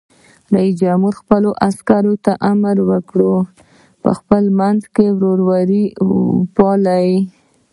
رئیس جمهور خپلو عسکرو ته امر وکړ؛ په خپلو منځو کې ورورولي پالئ!